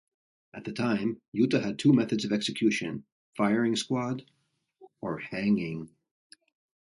At the time, Utah had two methods of execution - firing squad or hanging.